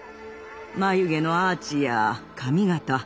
眉毛のアーチや髪形。